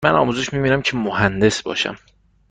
من آموزش می بینم که مهندس باشم.